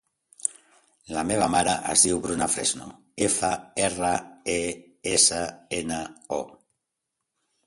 La meva mare es diu Bruna Fresno: efa, erra, e, essa, ena, o.